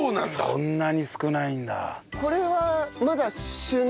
そんなに少ないんだ。